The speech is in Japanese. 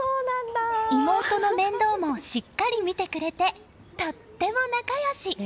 妹の面倒もしっかり見てくれてとっても仲良し！